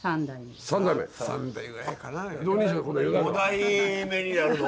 ５代目になるの？